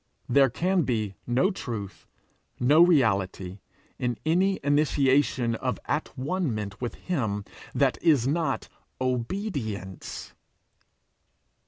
There can be no truth, no reality, in any initiation of atonement with him, that is not obedience.